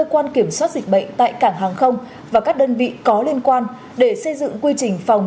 quan kiểm soát dịch bệnh tại cảng hàng không và các đơn vị có liên quan để xây dựng quy trình phòng